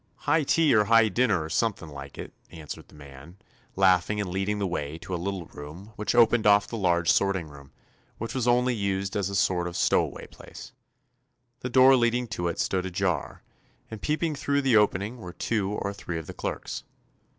"High Tea or High Dinner or something like it," answered the man, 200 TOMMY POSTOFFICE laughing and leading the way to a little room which opened off the large sorting room, and which was only used as a sort of stowaway place. The door leading to it stood ajar, and peeping through the opening were too or three of the clerks.